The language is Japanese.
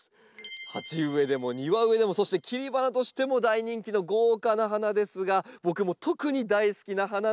鉢植えでも庭植えでもそして切り花としても大人気の豪華な花ですが僕も特に大好きな花なんです。